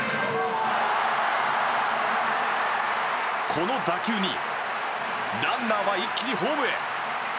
この打球にランナーは一気にホームへ。